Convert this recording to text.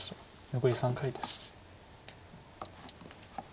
残り３回です。